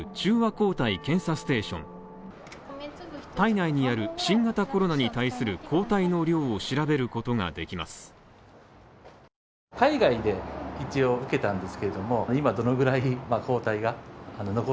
抗体検査ステーション体内にある新型コロナに対する抗体の量を調べることができます。